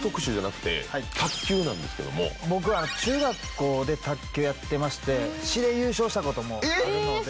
僕中学校で卓球やってまして市で優勝したこともあるので。